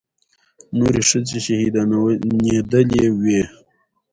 نورې ښځې شهيدانېدلې وې.